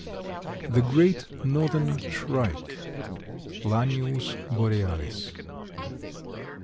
THE GREAT NORTHERN SHRIKE. (_Lanius borealis.